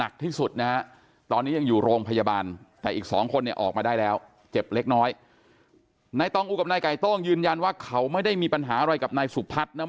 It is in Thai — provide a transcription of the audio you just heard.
๒คนเนี่ยออกมาได้แล้วเจ็บเล็กน้อยนายต้องกับนายไก่โต้งยืนยันว่าเขาไม่ได้มีปัญหาอะไรกับนายสุพัฒน์นะ